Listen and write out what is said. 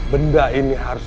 beda ini heran